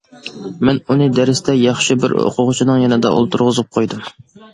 مەن ئۇنى دەرستە ياخشى بىر ئوقۇغۇچىنىڭ يېنىدا ئولتۇرغۇزۇپ قويدۇم.